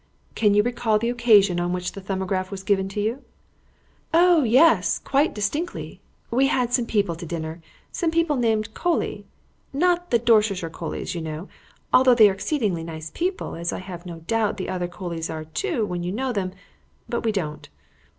"Can you recall the occasion on which the 'Thumbograph' was given to you?" "Oh yes, quite distinctly. We had some people to dinner some people named Colley not the Dorsetshire Colleys, you know, although they are exceedingly nice people, as I have no doubt the other Colleys are, too, when you know them, but we don't.